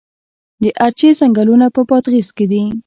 د ارچې ځنګلونه په بادغیس کې دي؟